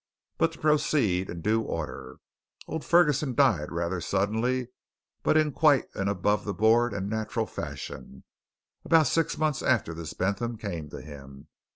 But to proceed in due order. Old Ferguson died rather suddenly but in quite an above board and natural fashion, about six months after this Bentham came to him.